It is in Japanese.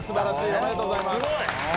おめでとうございます。